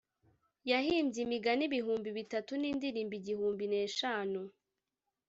“yahimbye imigani ibihumbi bitatu n’indirimbo igihumbi n’eshanu.